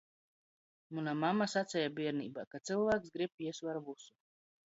Muna mama saceja bierneibā: "Ka cylvāks grib, jis var vysu."